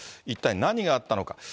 一体何があったのか。